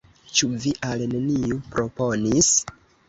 Ĉu vi al neniu proponis?